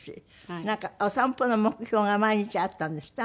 なんかお散歩の目標が毎日あったんですって？